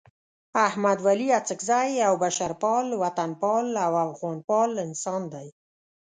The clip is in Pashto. احمد ولي اڅکزی یو بشرپال، وطنپال او افغانپال انسان دی.